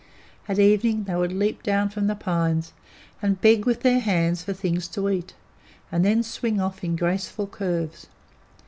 At evening, they would leap down from the pines, and beg with their hands for things to eat, and then swing off in graceful curves.